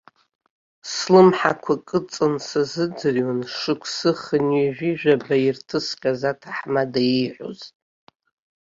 Слымҳақәа кыдҵаны сазыӡырҩуан, шықәса хынҩажәижәаба ирҭысхьаз аҭаҳмада ииҳәоз.